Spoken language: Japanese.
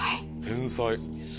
天才。